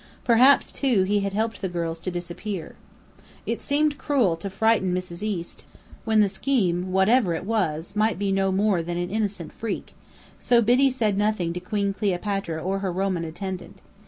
Perhaps, too, he had helped the girls to disappear. It seemed cruel to frighten Mrs. East, when the scheme, whatever it was, might be no more than an innocent freak; so Biddy said nothing to Queen Cleopatra or her Roman attendant.